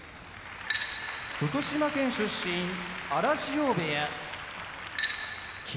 福島県出身荒汐部屋霧